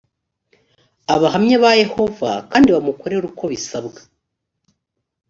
abahamya ba yehova kandi bamukorere uko bisabwa